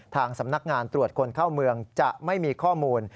ทางสำนักงานตรวจคนเข้าเมืองจะไม่มีข้อมูล